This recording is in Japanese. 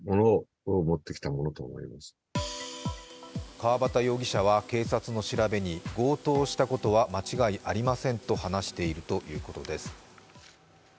川端容疑者は警察の調べに強盗したことは間違いありませんと話しているということです。